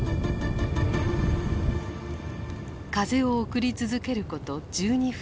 風を送り続けること１２分。